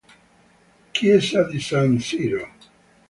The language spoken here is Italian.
Chiesa di San Siro